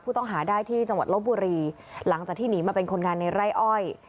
ต้องหาได้ที่จังหวัดลบบุรีหลังจากที่หนีมาเป็นคนงานในไร่อ้อย